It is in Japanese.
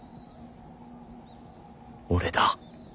俺だ。